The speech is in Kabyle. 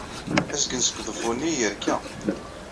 Azgen seg uḍeffu-nni yerka.